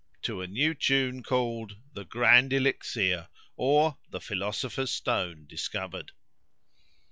To a new Tune called "The Grand Elixir; or, the Philosopher's Stone discovered."